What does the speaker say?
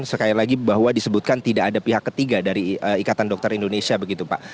sekali lagi bahwa disebutkan tidak ada pihak ketiga dari ikatan dokter indonesia begitu pak